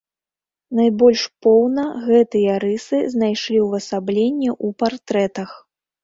Найбольш поўна гэтыя рысы знайшлі ўвасабленне ў партрэтах.